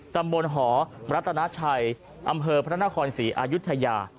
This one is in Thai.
ตำบลหอรัตนาชัยอำเภอพระนครศรีอายุทยา